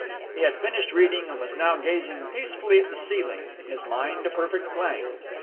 He had finished reading, and was now gazing peacefully at the ceiling, his mind a perfect blank.